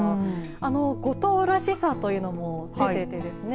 あの五島らしさというのも出ててですね